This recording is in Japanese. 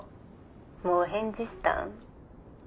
もう返事したん？